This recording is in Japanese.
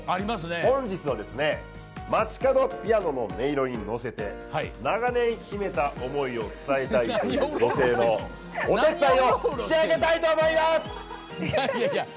本日は街角ピアノの音色に乗せて長年、秘めた思いを伝えたいという女性のお手伝いをしてあげたいと思います！